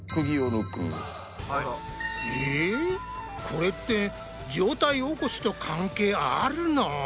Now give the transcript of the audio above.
これって上体起こしと関係あるの？